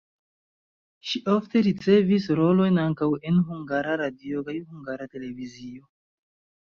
Ŝi ofte ricevis rolojn ankaŭ en Hungara Radio kaj Hungara Televizio.